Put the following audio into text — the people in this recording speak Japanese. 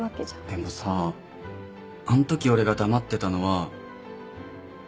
でもさぁあん時俺が黙ってたのは。